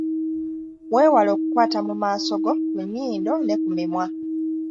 Weewale okukwata mu maaso go, ku nnyindo ne ku mimwa.